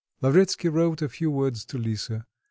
Lavretsky wrote a few words to Lisa.